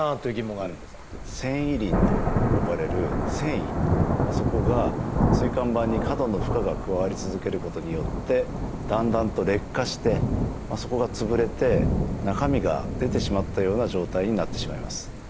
「線維輪」と呼ばれる線維そこが椎間板に過度の負荷が加わり続けることによってだんだんと劣化してそこが潰れて中身が出てしまったような状態になってしまいます。